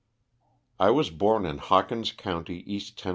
T WAS born in Hawkins ^ county, East Tenn.